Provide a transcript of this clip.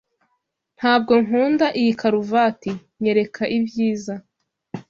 Ntabwo nkunda iyi karuvati. Nyereka ibyiza.